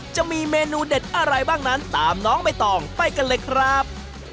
จะมีเมนูเด็ดอะไรบ้างนั้นตามน้องใบตองไปกันเลยครับ